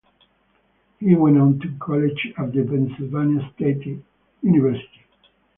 He went on to college at the Pennsylvania State University.